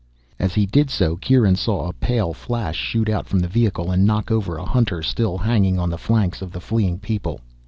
As he did so, Kieran saw a pale flash shoot out from the vehicle and knock over a hunter still hanging on the flanks of the fleeing people.